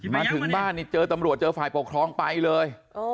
มาถึงบ้านนี่เจอตำรวจเจอฝ่ายปกครองไปเลย